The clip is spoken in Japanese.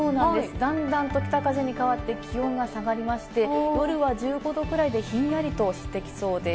だんだんと北風に変わって気温が下がりまして、夜は１５度くらいでひんやりとしていきそうです。